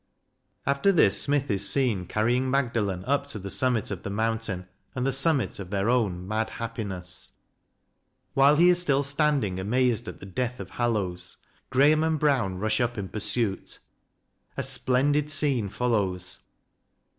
After this Smith is seen carrying Magdalen up to the summit of the mountain, and the summit of their own "mad happiness." While he is still standing, amazed at the death of Hallovves, Graham and Brown rush up in pursuit. A splendid scene follows.